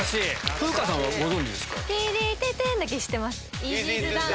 風花さんはご存じですか？